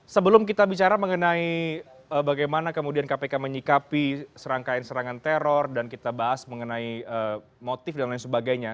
sebelum kita bicara mengenai bagaimana kemudian kpk menyikapi serangkaian serangan teror dan kita bahas mengenai motif dan lain sebagainya